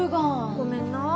ごめんな。